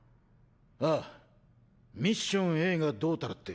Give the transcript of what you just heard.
ああミッションＡがどうたらって。